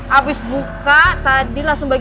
tapi kurang ombaik